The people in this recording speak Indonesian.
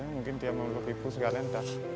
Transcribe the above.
mungkin dia mau nolong ibu sekalian dah